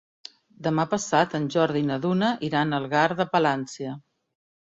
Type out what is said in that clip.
Demà passat en Jordi i na Duna iran a Algar de Palància.